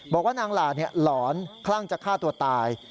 บอกว่านางหลาหลอนคลั่งจะฆ่าตัวตาย